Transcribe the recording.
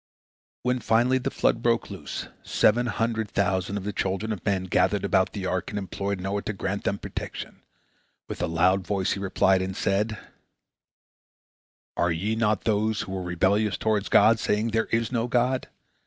When finally the flood broke loose, seven hundred thousand of the children of men gathered around the ark, and implored Noah to grant them protection. With a loud voice he replied, and said: "Are ye not those who were rebellious toward God, saying, 'There is no God'?